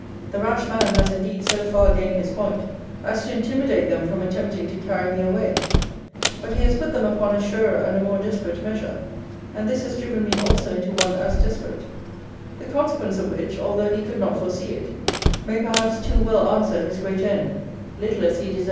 The rash man has indeed so far gained his point, as to intimidate them from attempting to carry me away: but he has put them upon a surer and a more desperate measure: and this has driven me also into one as desperate; the consequence of which, although he could not foresee it,* may perhaps too well answer his great end, little as he deserves to have it answered.